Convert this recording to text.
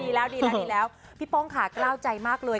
ดีแล้วดีแล้วพี่ป้องค่ะกล้าวใจมากเลย